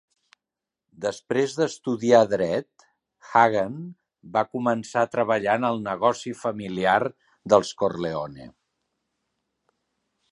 Després d'estudiar dret, Hagen va començar a treballar en el "negoci familiar" dels Corleone.